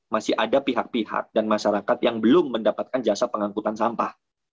masih ada pihak pihak dan masyarakat yang belum mendapatkan jasa pengangkutan sampah